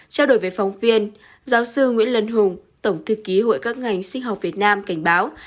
trao đổi với phóng viên giáo sư nguyễn lân hùng tổng thư ký hội các ngành sinh học việt nam cảnh báo